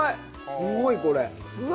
すごい、これ。